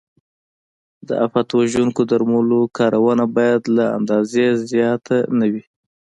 د آفت وژونکو درملو کارونه باید له اندازې زیات نه وي.